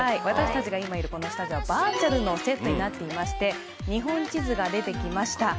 私たが今いる、このスタジオはバーチャルのセットになっておりまして、日本地図が出てきました。